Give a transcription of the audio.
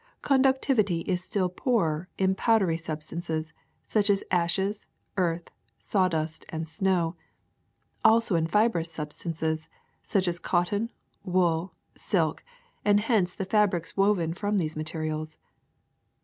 Conductivity is still poorer in powdery substances, such as ashes, earth, sawdust, and snow; also in fibrous substances, such as cotton, wool, silk, and hence the fabrics woven from these materials.